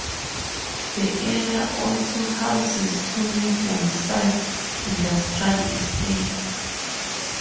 The area also houses two medium-sized industrial estates.